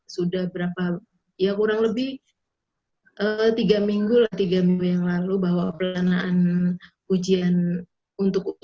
sudah berapa ya kurang lebih tiga minggu lah tiga minggu yang lalu bahwa pelaksanaan ujian untuk